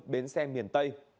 bến xe miền tây